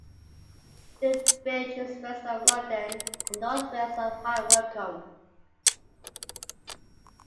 The village is west of London and north west of High Wycombe.